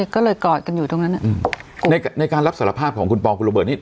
ก็เลยกอดกันอยู่ตรงนั้นในการรับสารภาพของคุณปองคุณโรเบิร์ตนี่